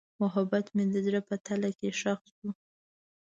محبت مې د زړه په تله کې ښخ شو.